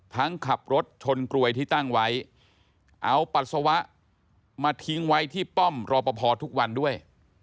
ขับรถชนกลวยที่ตั้งไว้เอาปัสสาวะมาทิ้งไว้ที่ป้อมรอปภทุกวันด้วย